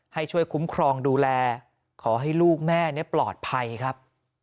ให้ช่วยคุ้มครองดูแลขอให้ลูกแม่ปลอดภัยครับ